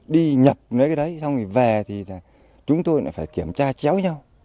đi nhập cái đấy xong rồi về thì là chúng tôi phải kiểm tra chéo nhau